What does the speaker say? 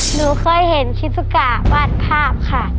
หนูเคยเห็นชิสุกะวาดภาพค่ะ